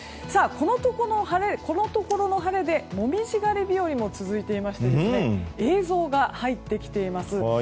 このところの晴れでもみじ狩り日和も続いていまして映像が入ってきています。